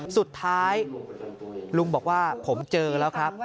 สุดท้ายลุงบอกว่าผมเจอแล้วครับ